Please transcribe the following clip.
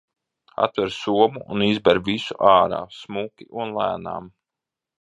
Atver somu un izber visu ārā, smuki un lēnām.